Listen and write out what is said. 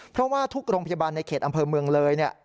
เพราะว่าทุกโรงพยาบาลในเขตอำเภอเมืองเลย